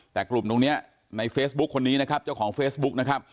แต่กลุ่มตรงนี้ในเฟซบุ๊คคนนี้นะครับเจ้าของเฟซบุ๊กนะครับ